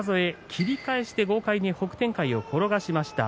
切り返しで豪快に北天海を転がしました。